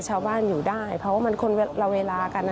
ชาวบ้านอยู่ได้เพราะว่ามันคนละเวลากัน